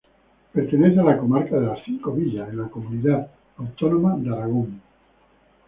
Pertenece a la comarca de las Cinco Villas, en la comunidad autónoma de Aragón.